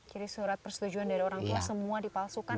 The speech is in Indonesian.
jadi surat persetujuan dari orang tua semua dipalsukan